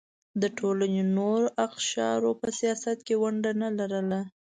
د ټولنې نورو اقشارو په سیاست کې ونډه نه لرله.